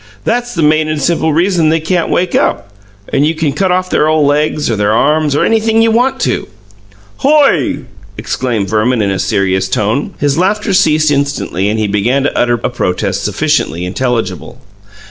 "That's the main and simple reason they can't wake up, and you can cut off their ole legs or their arms, or anything you want to." "Hoy!" exclaimed Verman, in a serious tone. His laughter ceased instantly, and he began to utter a protest sufficiently intelligible.